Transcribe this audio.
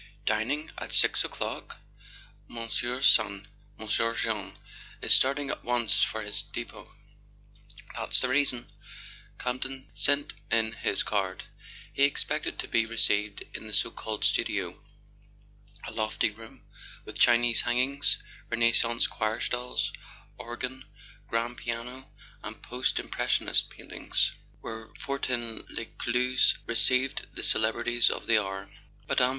"Dining—at six o'clock?" "Monsieur's son, Monsieur Jean, is starting at once for his depot. That's the reason." Campton sent in his card. He expected to be received in the so called "studio," a lofty room with Chinese hangings, Renaissance choir stalls, organ, grand piano, and post impressionist paintings, where Fortin Les cluze received the celebrities of the hour. Mme.